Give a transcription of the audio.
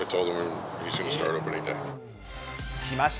きました。